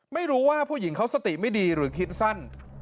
ไม่รู้ว่าผู้หญิงเขาสติไม่ดีหรือคิดสั้น